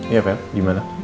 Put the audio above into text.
iya peh gimana